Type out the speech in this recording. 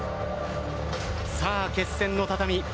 さあ決戦の畳。